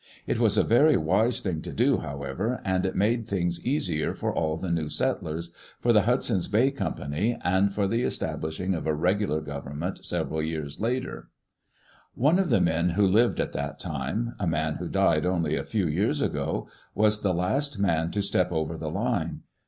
It was a very wise thing to do, however, and it made things easier for all the new settlers, for the Hudson's Bay Company, and for the establishing of a regular government several years later. Google ■"^•* Digitized by EARLY DAYS IN OLD OREGON One of the men who lived at that time — a man who died only a few years ago — was the last man to step over the line.